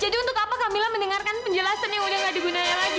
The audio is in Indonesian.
jadi untuk apa kamila mendengarkan penjelasan yang udah nggak digunainya lagi